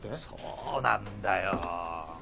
そうなんだよ。